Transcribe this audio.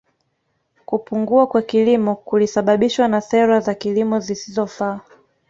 Kupungua kwa kilimo kulisababishwa na sera za kilimo zisizofaa